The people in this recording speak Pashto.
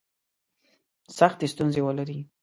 سختي ستونزي ولري.